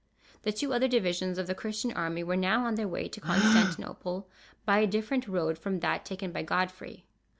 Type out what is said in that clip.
The two other divisions of the Christian army were now on their way to Constantinople, by a different road from that taken by Godfrey.